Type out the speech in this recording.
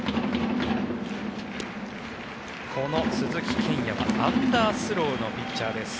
この鈴木健矢はアンダースローのピッチャーです。